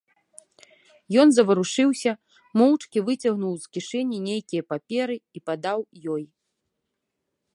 Ён заварушыўся, моўчкі выцягнуў з кішэні нейкія паперы і падаў ёй.